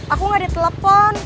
aku gak ditelepon